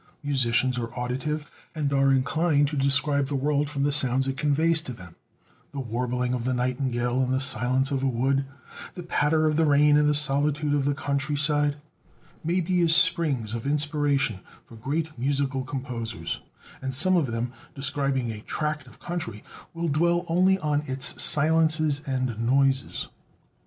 Musicians are auditive, and are inclined to describe the world from the sounds it conveys to them; the warbling of the nightingale in the silence of a wood; the patter of the rain in the solitude of the country side, may be as springs of inspiration for great musical composers; and some of them, describing a tract of country, will dwell only on its silences and noises.